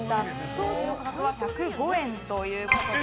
当時の価格は１０５円ということで。